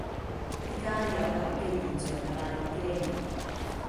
而家有噉嘅現象㗎啦已經